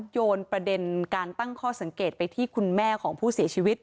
โยนประเด็นการตั้งข้อสังเกตไปที่คุณแม่ของผู้เสียชีวิต